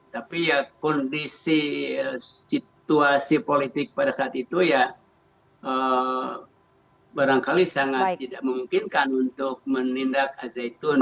tapi ya kondisi situasi politik pada saat itu ya barangkali sangat tidak memungkinkan untuk menindak al zaitun